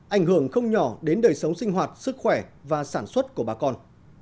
ảnh hưởng không nhỏ đến đời sống sinh hoạt sức khỏe và sản xuất của bà con